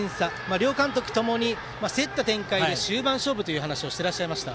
両監督ともに競った展開で終盤勝負という話をしてらっしゃいました。